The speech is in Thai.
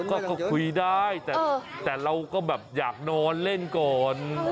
ก็คุยได้แต่เราก็แบบอยากนอนเล่นก่อน